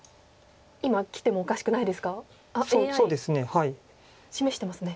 ＡＩ示してますね。